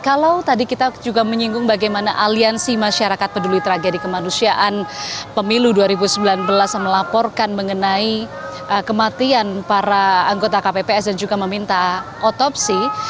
kalau tadi kita juga menyinggung bagaimana aliansi masyarakat peduli tragedi kemanusiaan pemilu dua ribu sembilan belas melaporkan mengenai kematian para anggota kpps dan juga meminta otopsi